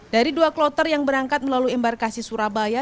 dari dua kloter yang berangkat melalui embarkasi surabaya